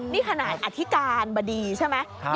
นี่ขนาดอธิการบดีใช่ไหม